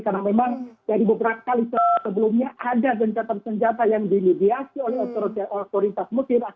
karena memang dari beberapa kali sebelumnya ada gencatan senjata yang dimediasi oleh otoritas muslim